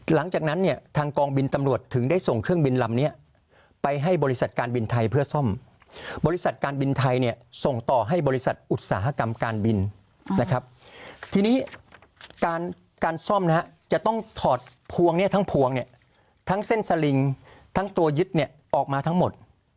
หลังจากนั้นเนี่ยทางกองบินตำรวจถึงได้ส่งเครื่องบินลำนี้ไปให้บริษัทการบินไทยเพื่อซ่อมบริษัทการบินไทยเนี่ยส่งต่อให้บริษัทอุตสาหกรรมการบินนะครับทีนี้การซ่อมนะฮะจะต้องถอดพวงเนี่ยทั้งพวงเนี่ยทั้งเส้นสลิงทั้งตัวยึดเนี่ยออกมาทั้งหมด